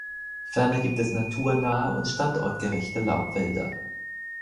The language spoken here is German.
Ferner gibt es naturnahe und standortgerechte Laubwälder.